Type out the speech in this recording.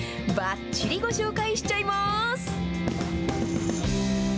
ばっちりご紹介しちゃいます。